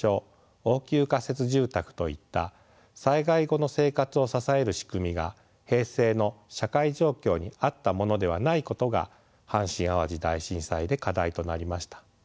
応急仮設住宅といった災害後の生活を支える仕組みが平成の社会状況に合ったものではないことが阪神・淡路大震災で課題となりました。